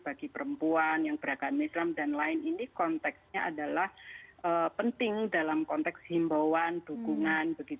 bagi perempuan yang beragama islam dan lain ini konteksnya adalah penting dalam konteks himbauan dukungan